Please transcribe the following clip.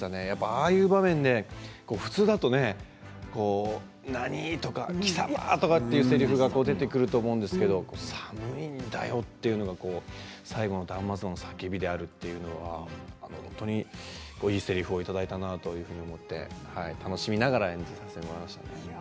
ああいう場面で、普通だと何とか貴様とかいうせりふが出てくると思うんですけど寒いんだよというのが最後の断末魔の叫びだというのはいいせりふをいただいたなと思って楽しみながら演じさせてもらいました。